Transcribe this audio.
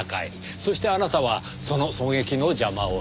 そしてあなたはその狙撃の邪魔をした。